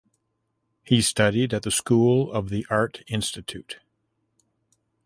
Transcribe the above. He studied at the School of the Art Institute.